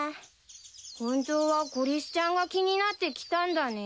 本当はコリスちゃんが気になって来たんだね。